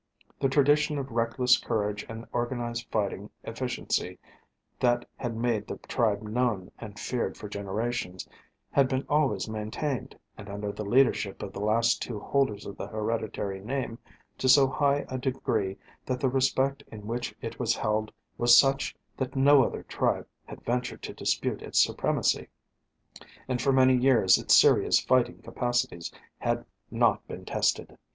The tradition of reckless courage and organised fighting efficiency that had made the tribe known and feared for generations had been always maintained, and under the leadership of the last two holders of the hereditary name to so high a degree that the respect in which it was held was such that no other tribe had ventured to dispute its supremacy, and for many years its serious fighting capacities had not been tested.